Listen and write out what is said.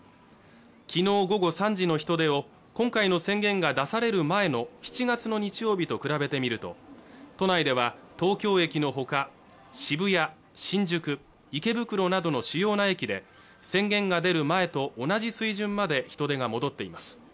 昨日午後３時の人出を今回の宣言が出される前の７月の日曜日と比べてみると都内では東京駅のほか渋谷、新宿、池袋などの主要な駅で宣言が出る前と同じ水準まで人出が戻っています